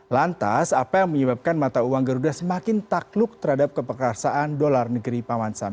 lantas apa yang menyebabkan mata uang garuda semakin takluk terhadap keperkasaan dolar negeri paman sam